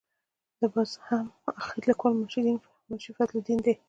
د بزم های اخیر لیکوال منشي فضل الدین دی.